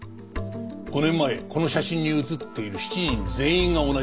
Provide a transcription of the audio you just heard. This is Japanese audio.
５年前この写真に写っている７人全員が同じだった。